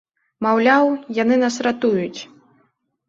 Маўляў, яны нас ратуюць.